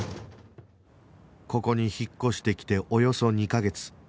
ここに引っ越してきておよそ２カ月